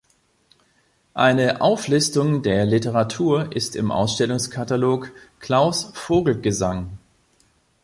Eine Auflistung der Literatur ist im Ausstellungskatalog "Klaus Vogelgesang.